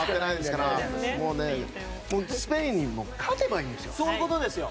スペインに勝てばいいんですよ。